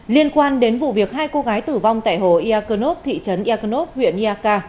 liên quan đến vụ việc hai cô gái tử vong tại hồ iaconop thị trấn iaconop huyện iaca